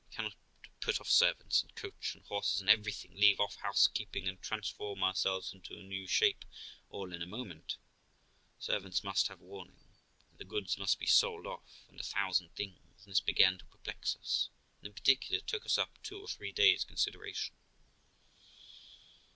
We cannot THE LIFE OF ROXANA 317 put off servants, and coach and horses, and everything, leave off house keeping, and transform ourselves into a new shape all in a moment; servants must have warning, and the goods must be sold off, and a thousand things'; and this began to perplex us, and in particular took us up two or three days' consideration.